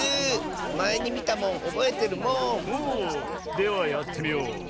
ではやってみよう。